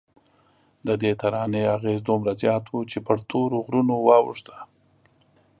ددې ترانې اغېز دومره زیات و چې پر تورو غرونو واوښته.